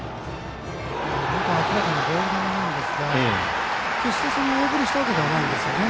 明らかなボール球なんですが決して大振りしたわけじゃないんですよね。